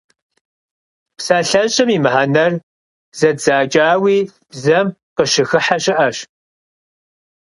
ПсалъэщӀэм и мыхьэнэр зэдзэкӀауи бзэм къыщыхыхьэ щыӏэщ.